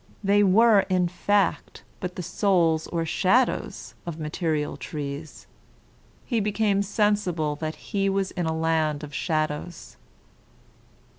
They were, in fact, but the souls or shadows of material trees. He became sensible that he was in a land of shadows.